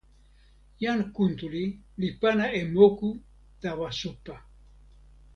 jan Kuntuli li pana e moku tawa supa.